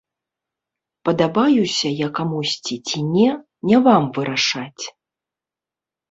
Падабаюся я камусьці ці не, не вам вырашаць.